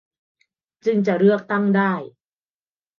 จึงจะเลือกตั้งได้